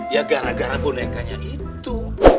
ya gara gara bonekanya itu